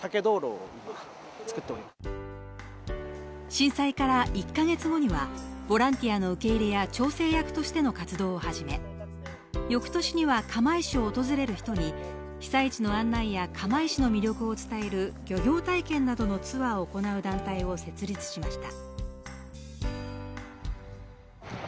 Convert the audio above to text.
震災から１か月後にはボランティアの受け入れや、調整役としての活動を始め、翌年には釜石を訪れる人に被災地の案内や、釜石の魅力を伝える漁業体験などのツアーを行う団体を設立しました。